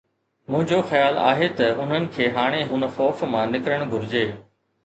منهنجو خيال آهي ته انهن کي هاڻي هن خوف مان نڪرڻ گهرجي.